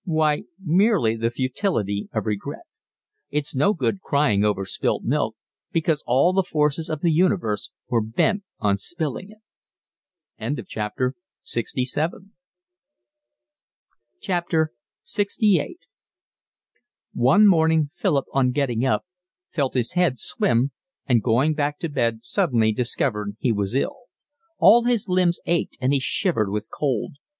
"Why, merely the futility of regret. It's no good crying over spilt milk, because all the forces of the universe were bent on spilling it." LXVIII One morning Philip on getting up felt his head swim, and going back to bed suddenly discovered he was ill. All his limbs ached and he shivered with cold.